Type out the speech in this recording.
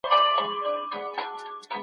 د مطالعې فرهنګ بايد له کورونو څخه پيل سي.